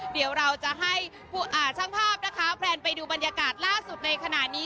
เดี๋ยวเราจะให้ช่างภาพนะคะแพลนไปดูบรรยากาศล่าสุดในขณะนี้